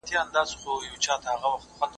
استاد وویل چي د قافیې علم ډېر اړین دی.